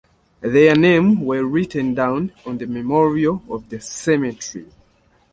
Their names were written down on the memorial of the cemetery.